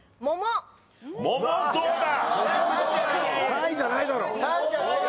３位じゃないだろ。